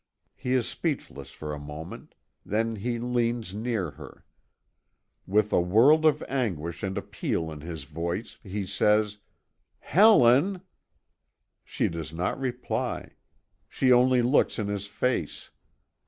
He is speechless for a moment; then he leans near her. With a world of anguish and appeal in his voice, he says: "Helen!" She does not reply; she only looks in his face.